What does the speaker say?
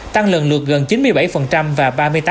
tăng lần lượt gần chín mươi bảy và ba mươi tám